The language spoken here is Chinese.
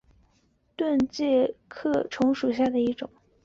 番樱桃葛圆盾介壳虫为盾介壳虫科桃葛圆盾介壳虫属下的一个种。